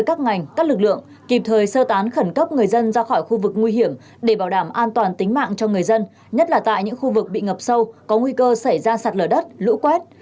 các ngành các lực lượng kịp thời sơ tán khẩn cấp người dân ra khỏi khu vực nguy hiểm để bảo đảm an toàn tính mạng cho người dân nhất là tại những khu vực bị ngập sâu có nguy cơ xảy ra sạt lở đất lũ quét